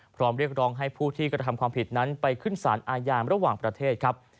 พร้อมเรียกร้องให้ผู้ที่กระทำความผิดนั้นไปขึ้นสารอาญาระหว่างประเทศครับ